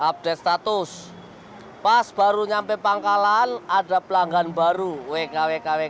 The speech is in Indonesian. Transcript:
update status pas baru nyampe pangkalan ada pelanggan baru wk wk wk